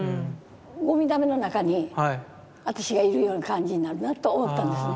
ゴミだめの中に私がいるような感じになるなと思ったんです。